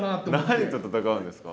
何と戦うんですか？